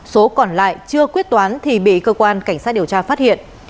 số còn lại chưa quyết toán thì bị cơ quan cảnh sát điều tra phát hiện